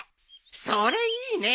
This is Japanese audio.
それいいねえ！